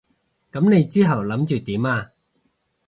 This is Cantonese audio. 噉你之後諗住點啊？